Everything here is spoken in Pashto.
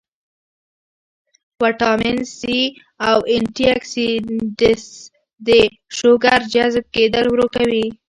وټامن سي او انټي اکسيډنټس د شوګر جذب کېدل ورو کوي